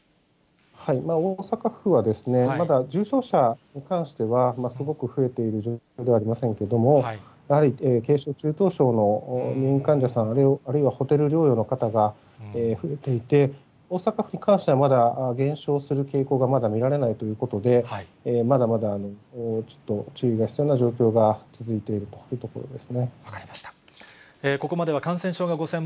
大阪府はですね、まだ重症者に関しては、すごく増えている状況ではありませんけれども、やはり軽症、中等症の入院患者さん、あるいはホテル療養の方が増えていて、大阪府に関しては、まだ減少する傾向がまだ見られないということで、まだまだちょっと注意が必要な状況が続いているというところです